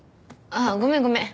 あぁごめんごめん。